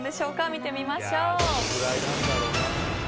見てみましょう。